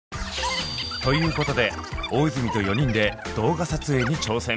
ということで大泉と４人で動画撮影に挑戦！